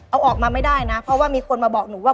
เอาออกมาไม่ได้นะเพราะว่ามีคนมาบอกหนูว่า